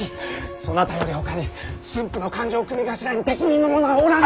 そなたよりほかに駿府の勘定組頭に適任の者はおらぬ！